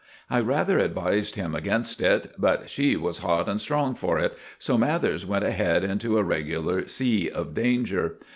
I rather advised him against it; but she was hot and strong for it: so Mathers went ahead into a regular sea of danger.